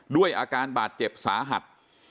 ด้วยอาการบาดเจ็บสาหัส